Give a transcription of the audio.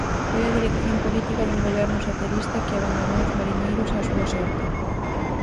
Foi a dirección política dun goberno socialista que abandonou os mariñeiros á súa sorte.